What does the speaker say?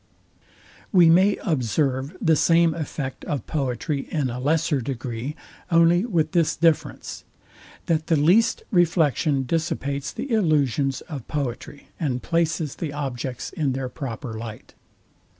We may observe the same effect of poetry in a lesser degree; only with this difference, that the least reflection dissipates the illusions of poetry, and Places the objects in their proper light.